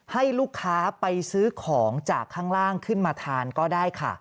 ให้ลูกค้าไปซื้อของจากข้างล่างขึ้นมาทานก็ได้ค่ะ